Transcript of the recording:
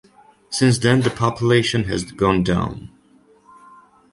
Since then, the population has gone down.